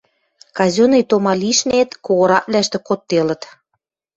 Казённый тома лишнет когораквлӓштӹ кодделыт.